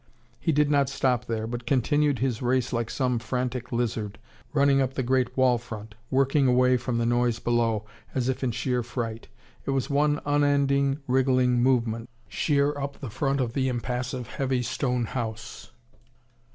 He did not stop there, but continued his race like some frantic lizard running up the great wall front, working away from the noise below, as if in sheer fright. It was one unending wriggling movement, sheer up the front of the impassive, heavy stone house.